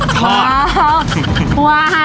ทอด